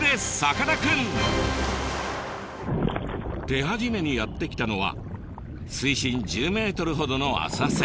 手始めにやって来たのは水深１０ｍほどの浅瀬。